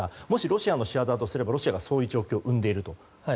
もしロシアの仕業だとするとロシアがそういう状況を生んでいると。